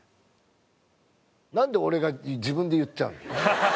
なんで俺が自分で言っちゃうの？